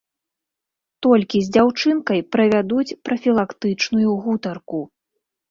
Толькі з дзяўчынкай правядуць прафілактычную гутарку.